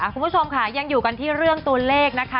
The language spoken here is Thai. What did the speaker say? คุณผู้ชมค่ะยังอยู่กันที่เรื่องตัวเลขนะคะ